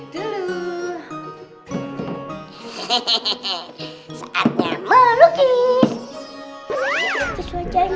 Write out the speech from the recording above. hehehe saatnya melukis